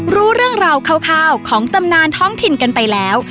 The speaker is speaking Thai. รู้เรื่องราวคร่าวของตำนานท้องถิ่นกันไปแล้ว